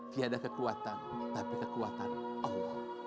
tidak ada kekuatan tapi kekuatan allah